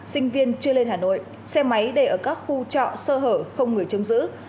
sinh viên chưa lên hà nội xe máy đầy ở các khu trọ sơ hở không người chống giữ